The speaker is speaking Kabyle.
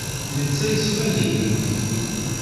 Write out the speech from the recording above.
Netta yessmad-iyi.